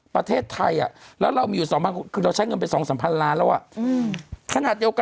ประเทศไทยก็ใช้เงินเป็น๒๓พิมพ์ล้านแล้ว